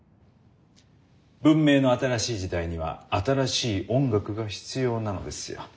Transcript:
文明の新しい時代には新しい音楽が必要なのですよ。